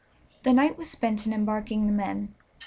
The night was spent in embarking the men.